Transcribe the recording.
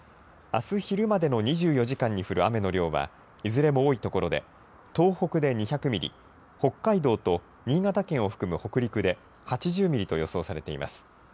あす昼までの２４時間に降る雨の量はいずれも多いところで東北で２００ミリ、北海道と新潟県を含む北陸で８０ミリと予想されています。